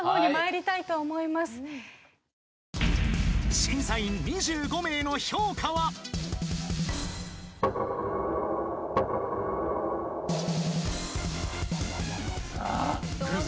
［審査員２５名の評価は］さあくるぞ。